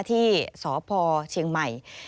ที่สพเชียงใหม่